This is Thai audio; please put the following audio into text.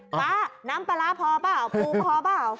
ป๊าน้ำปลาร้าพอเปล่าปูพอเปล่า